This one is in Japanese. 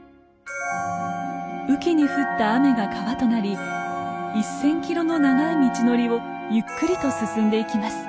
雨期に降った雨が川となり１，０００キロの長い道のりをゆっくりと進んでいきます。